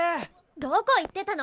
どこ行ってたの？